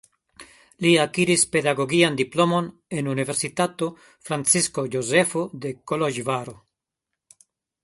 Li akiris pedagogian diplomon en Universitato Francisko Jozefo de Koloĵvaro.